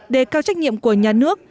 để cao trách nhiệm của nhà nước